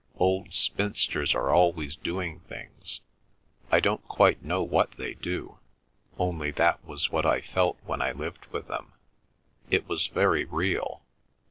Old spinsters are always doing things. I don't quite know what they do. Only that was what I felt when I lived with them. It was very real."